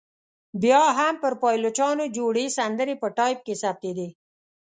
بیا هم پر پایلوچانو جوړې سندرې په ټایپ کې ثبتېدې.